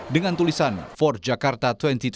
dengan tulisan empat jakarta dua ribu dua puluh